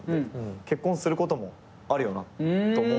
結婚することもあるよなと思うんで。